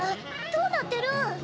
どうなってるん？